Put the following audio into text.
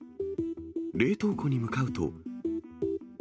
冷凍庫に向かうと。